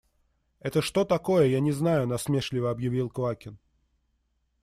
Это что такое, я не знаю, – насмешливо объявил Квакин.